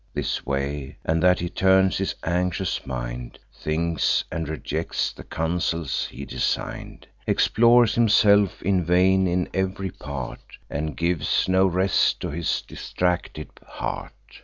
This way and that he turns his anxious mind; Thinks, and rejects the counsels he design'd; Explores himself in vain, in ev'ry part, And gives no rest to his distracted heart.